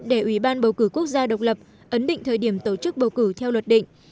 để ủy ban bầu cử quốc gia độc lập ấn định thời điểm tổ chức bầu cử theo luật định